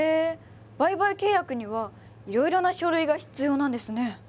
売買契約にはいろいろな書類が必要なんですね。